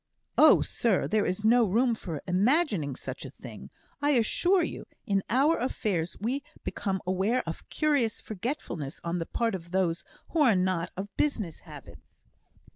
"Oh, sir! there is no room for imagining such a thing, I assure you. In our affairs we become aware of curious forgetfulness on the part of those who are not of business habits."